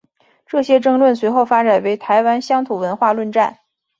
这些争论随后发展为台湾乡土文学论战。